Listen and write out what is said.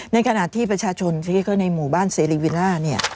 ในขณะที่ประชาชนที่เขาในหมู่บ้านเซริวิน่าเนี่ย